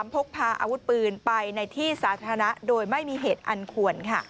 พกพาอาวุธปืนไปในที่สาธารณะโดยไม่มีเหตุอันควร